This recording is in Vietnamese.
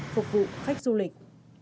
phục vụ khách du lịch